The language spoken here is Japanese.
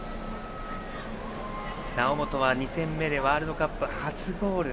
猶本は２戦目でワールドカップ初ゴール。